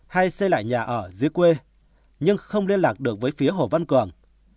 hay xây lại nhà ở dưới quê nhưng không liên lạc được với phía hồ văn cường